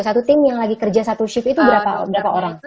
satu tim yang lagi kerja satu shift itu berapa orang